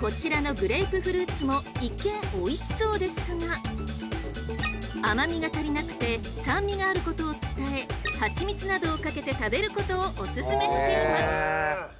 こちらのグレープフルーツも一見おいしそうですが甘みが足りなくて酸味があることを伝え蜂蜜などをかけて食べることをおすすめしています。